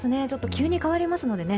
急に変わりますのでね。